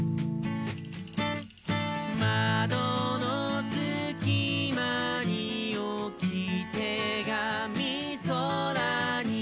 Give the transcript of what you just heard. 「まどのすきまにおきてがみそらに」